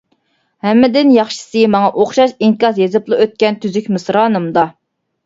ھەممىدىن ياخشىسى ماڭا ئوخشاش ئىنكاس يېزىپلا ئۆتكەن تۈزۈك مىسرانىمدا.